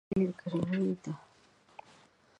ډېره ګرمي ده